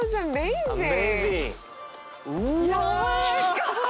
やわらか！